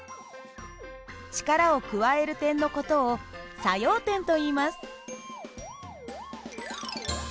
力を加える点の事を作用点といいます。